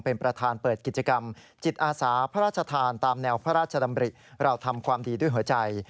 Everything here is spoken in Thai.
เป็นประธานเปิดกิจกรรมจิตอาสาพระราชทานตามแนวพระราชดำริเราทำความดีด้วยหัวใจ